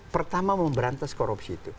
pertama memberantas korupsi itu